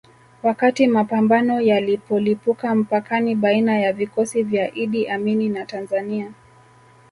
Wakati mapambano yalipolipuka mpakani baina ya vikosi vya Idi Amini na Tanzania